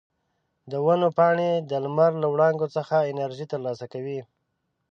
د ونو پاڼې د لمر له وړانګو څخه انرژي ترلاسه کوي.